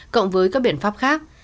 cộng với các biện pháp khác